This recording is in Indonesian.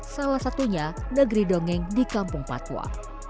salah satunya negeri dongeng di kampung patwa